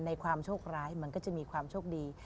ความโชคร้ายมันก็จะมีความโชคดี